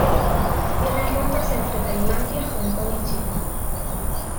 Tiene rutas entre Tailandia, Hong Kong y China.